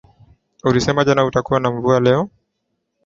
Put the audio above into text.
Ulisema jana hakutakuwa na mvua leo.